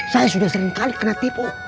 saya sudah seringkali kena tipu